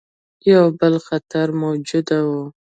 یو بل خطر موجود وو.